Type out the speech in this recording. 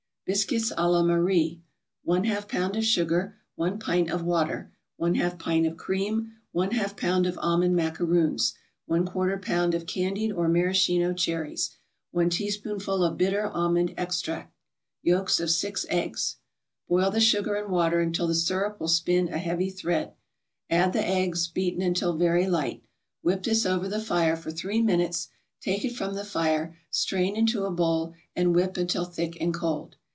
BISCUITS à la MARIE 1/2 pound of sugar 1 pint of water 1/2 pint of cream 1/2 pound of almond macaroons 1/4 pound of candied or Maraschino cherries 1 teaspoonful of bitter almond extract Yolks of six eggs Boil the sugar and water until the syrup will spin a heavy thread. Add the eggs, beaten until very light. Whip this over the fire for three minutes, take it from the fire, strain into a bowl, and whip until thick and cold.